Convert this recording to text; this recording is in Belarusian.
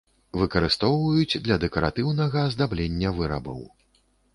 Выкарыстоўваюць для дэкаратыўнага аздаблення вырабаў.